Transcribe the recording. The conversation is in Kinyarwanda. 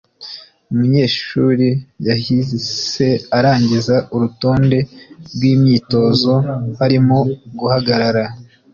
Umunyeshuri yahise arangiza urutonde rwimyitozo harimo guhagarara